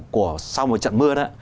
của sau một trận mưa đó